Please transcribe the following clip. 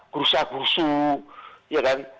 kurusah kursu ya kan